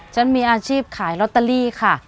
ฉันมีอาชีพขายลอตเตอรี่ค่ะ